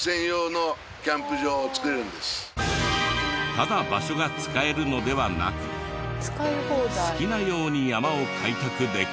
ただ場所が使えるのではなく好きなように山を開拓できる。